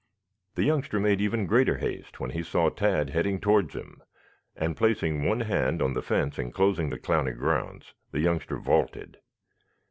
The youngster made even greater haste when he saw Tad heading towards him, and placing one hand on the fence enclosing the Clowney grounds, the youngster vaulted.